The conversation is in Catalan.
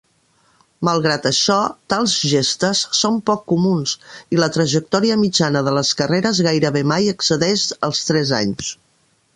Malgrat això, tals gestes són poc comuns, i la trajectòria mitjana de les carreres gairebé mai excedeix els tres anys.